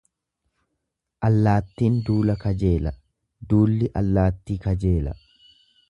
Allaattin duula kajeela duulli allaattii kajeela.